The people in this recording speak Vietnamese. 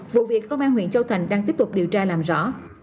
vụ việc công an huyện châu thành đang tiếp tục điều tra làm rõ